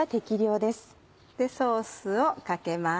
ソースをかけます。